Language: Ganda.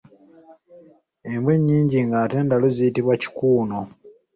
Embwa ennyingi ng’ate ndalu ziyitibwa Kikuuno.